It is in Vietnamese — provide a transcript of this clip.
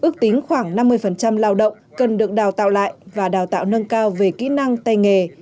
cần được đào tạo lại và đào tạo nâng cao về kỹ năng tay nghề